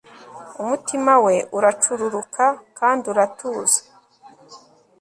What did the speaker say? umutima we uracururuka kandi uratuza